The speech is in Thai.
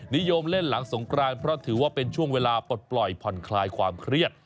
นิยมเล่นหลังสงกรานเพราะถือว่าเป็นช่วงเวลาปลดปล่อยผ่อนคลายความเครียด